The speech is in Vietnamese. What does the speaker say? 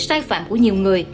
sai phạm của nhiều người